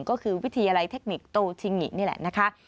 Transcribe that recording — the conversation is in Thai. ก็คือวิทยาลัยเทคนิคโตทิงหญิงนี่แหละนะคะ